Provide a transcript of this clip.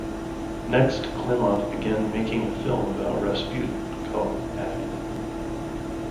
Next, Klimov began making a film about Rasputin called "Agony".